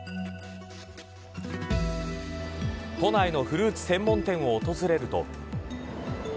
都内のフルーツ専門店を訪れると。